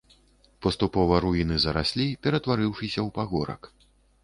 Паступова руіны зараслі, ператварыўшыся ў пагорак.